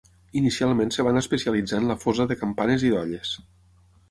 Inicialment es van especialitzar en la fosa de campanes i d'olles.